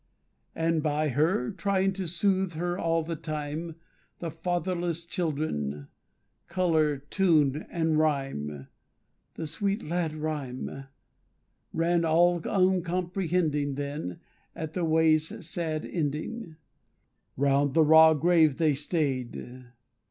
And by her, trying to soothe her all the time, The fatherless children, Colour, Tune, and Rhyme (The sweet lad Rhyme), ran all uncomprehending. Then, at the way's sad ending, Round the raw grave they stay'd.